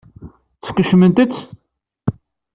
Skecment-tt?